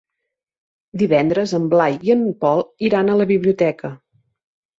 Divendres en Blai i en Pol iran a la biblioteca.